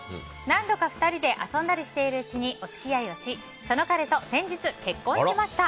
何度か２人で遊んだりしているうちにお付き合いをしその彼と先日結婚しました。